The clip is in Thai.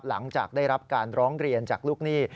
หลังจากได้รับการร้องเรียนจากลูกหนี้